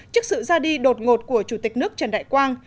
trước sự ra đi đột ngột của chủ tịch nước trần đại quang